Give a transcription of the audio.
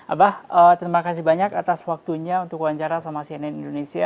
abah terima kasih banyak atas waktunya untuk wawancara sama cnn indonesia